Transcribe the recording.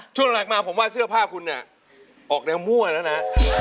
ช่วงหลังมาผมว่าเสื้อผ้าคุณเนี่ยออกแนวมั่วแล้วนะ